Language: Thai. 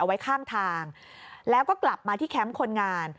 ไว้ข้างทางแล้วก็กลับมาที่แคมป์คนงาน